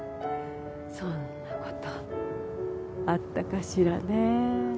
そんな事あったかしらね。